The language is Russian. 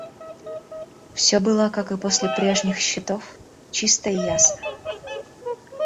Всё было, как и после прежних счетов, чисто и ясно.